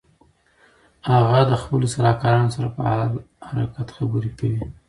هغه د خپلو سلاکارانو سره په حال حرکت خبرې کوي.